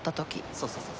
そうそうそう。